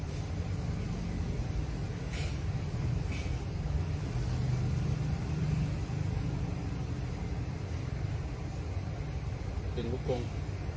สวัสดีครับ